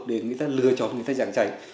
để người ta lừa tròn người ta giảng trải